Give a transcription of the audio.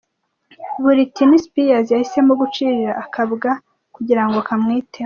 Buritini Sipiyazi yahisemo gucirira akabwa kugira ngo kamwiteho